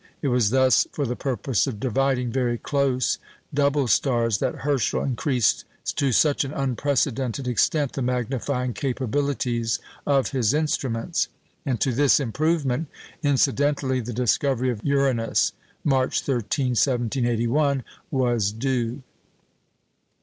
It was thus for the purpose of dividing very close double stars that Herschel increased to such an unprecedented extent the magnifying capabilities of his instruments; and to this improvement incidentally the discovery of Uranus, March 13, 1781, was due.